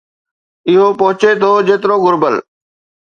اهو پهچي ٿو جيترو گهربل